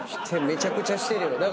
めちゃくちゃしてるよ。